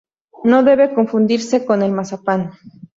No debe confundirse con el mazapán.